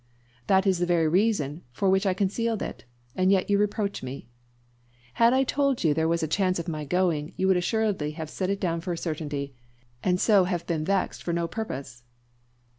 "That is the very reason for which I concealed it, and yet you reproach me. Had I told you there was a chance of my going, you would assuredly have set it down for a certainty, and so have been vexed for no purpose."